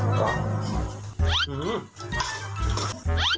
กรอบ